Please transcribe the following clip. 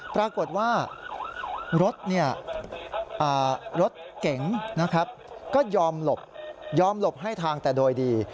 ปรากฏว่ารถรถเก๋งนะครับก็ยอมหลบยอมหลบให้ทางแต่โดยดี